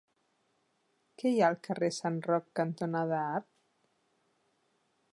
Què hi ha al carrer Sant Roc cantonada Art?